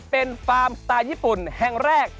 เป็นฟาร์มสไตล์ญี่ปุ่นแห่งแรก